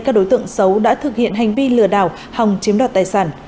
các đối tượng xấu đã thực hiện hành vi lừa đảo hòng chiếm đoạt tài sản